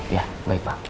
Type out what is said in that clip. iya baik pak